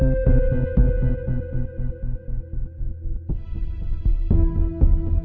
saya yang menang